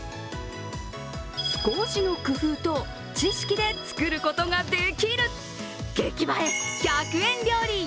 少しの工夫と知識で作ることができる激映え、１００円料理。